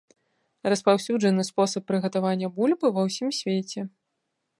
Распаўсюджаны спосаб прыгатавання бульбы ва ўсім свеце.